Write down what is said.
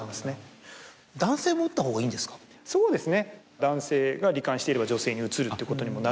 そうですね。